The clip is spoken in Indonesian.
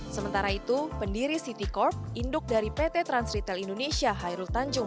sementara itu pendiri city corp induk dari pt trans retail indonesia hairul tanjung